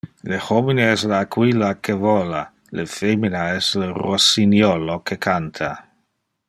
Le homine es le aquila que vola, le femina es le rossiniolo que canta.